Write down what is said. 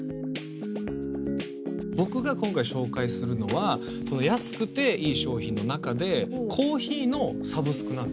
僕が今回紹介するのは安くていい商品の中で。